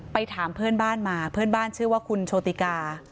ถามเพื่อนบ้านมาเพื่อนบ้านชื่อว่าคุณโชติกา